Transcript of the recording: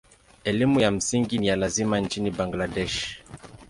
Elimu ya msingi ni ya lazima nchini Bangladesh.